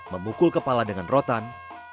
memukul kepala dengan rotan